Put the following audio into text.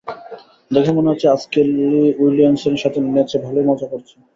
দেখে মনে হচ্ছে আজ কেলি উইলসনের সাথে নেচে ভালোই মজা করছো।